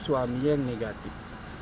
suami yang negatif